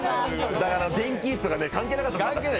だから電気椅子とか関係なかった。